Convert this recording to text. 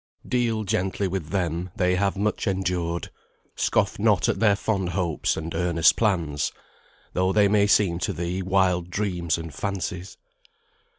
"Deal gently with them, they have much endured. Scoff not at their fond hopes and earnest plans, Though they may seem to thee wild dreams and fancies.